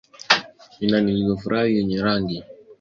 Ini iliyofura yenye rangi ya manjano hudhurungi au manjano hafifu